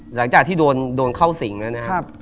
หลังจากที่โดนเข้าสิงแล้วนะครับ